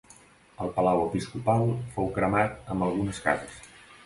El palau episcopal fou cremat amb algunes cases.